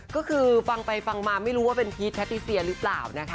ก็คือฟังไปฟังมาไม่รู้ว่าเป็นพีชแททิเซียหรือเปล่านะคะ